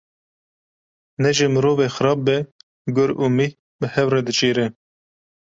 Ne ji mirovê xerab be, gur û mih bi hev re diçêre.